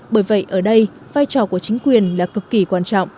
bởi vậy ở đây vai trò của chính quyền là cực kỳ quan trọng